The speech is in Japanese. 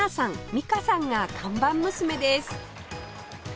美香さんが看板娘です